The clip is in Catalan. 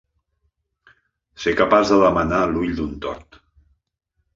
Ser capaç de demanar l'ull d'un tort.